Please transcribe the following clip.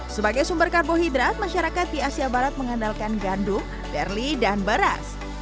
sebagai sumber karbohidrat masyarakat di asia barat mengandalkan gandum berli dan beras